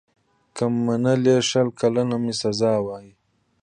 که منلې شل کلنه مي سزا وای